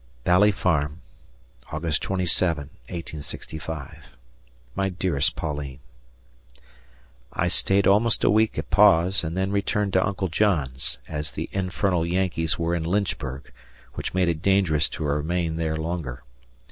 Valley Farm, Aug. 27, '65. My dearest Pauline: I staid almost a week at Pa's and then returned to Uncle John's, as the infernal Yankees were in Lynchburg, which made it dangerous to remain there longer.